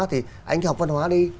thì anh học văn hóa đi